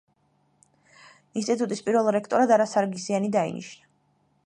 ინსტიტუტის პირველ რექტორად არა სარგსიანი დაინიშნა.